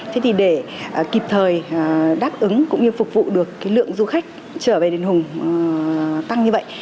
thế thì để kịp thời đáp ứng cũng như phục vụ được cái lượng du khách trở về đền hùng tăng như vậy